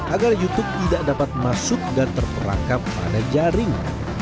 agar youtube tidak dapat masuk dan terperangkap pada jaring